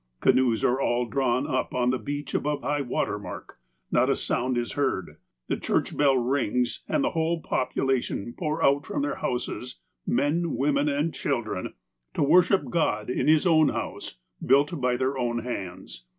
Canoes are all drawn up on the beach above high water mark. Not a sound is heard. The church bell rings, and the whole population pour out from their houses — men, women, and children — to worship God in His own house, built by their own hands.